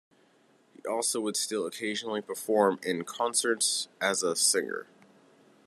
He also would still occasionally perform in concerts as a singer.